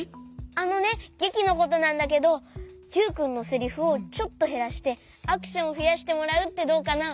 あのねげきのことなんだけどユウくんのセリフをちょっとへらしてアクションをふやしてもらうってどうかな？